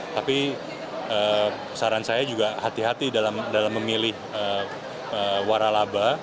tapi saran saya juga hati hati dalam memilih waralaba